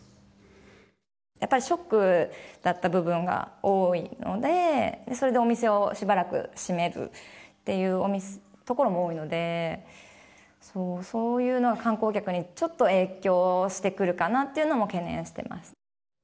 やっぱりショックだった部分が多いので、それでお店をしばらく閉めるというところも多いので、そういうのは観光客にちょっと影響してくるかなっていうのも懸念してます。